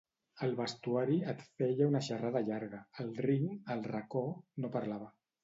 Al vestuari et feia una xerrada llarga; al ring, al racó, no parlava.